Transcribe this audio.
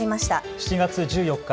７月１４日